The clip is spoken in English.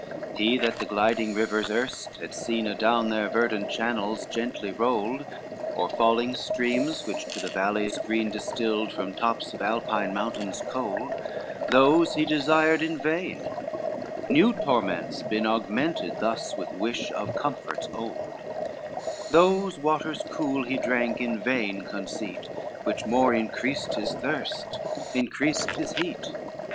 LX He that the gliding rivers erst had seen Adown their verdant channels gently rolled, Or falling streams which to the valleys green Distilled from tops of Alpine mountains cold, Those he desired in vain, new torments been, Augmented thus with wish of comforts old, Those waters cool he drank in vain conceit, Which more increased his thirst, increased his heat.